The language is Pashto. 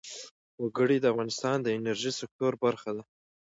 وګړي د افغانستان د انرژۍ سکتور برخه ده.